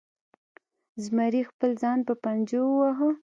زمري خپل ځان په پنجو وواهه.